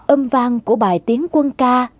âm vang của bài tiếng quân ca